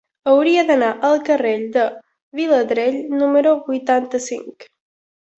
Hauria d'anar al carrer de Vilardell número vuitanta-cinc.